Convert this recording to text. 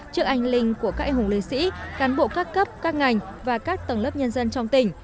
trước anh linh của các anh hùng liệt sĩ cán bộ các cấp các ngành và các tầng lớp nhân dân trong tỉnh